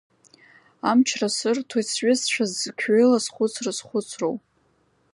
Амчра сырҭоит сҩызцәа зқьҩыла схәыцра зхәыцроу.